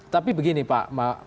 tapi begini pak